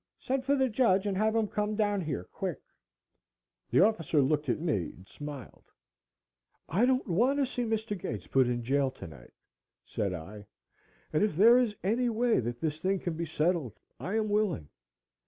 Send for the judge and have him come down here quick." The officer looked at me and smiled. "I don't want to see Mr. Gates put in jail tonight" said I. "And if there is any way that this thing can be settled I am willing.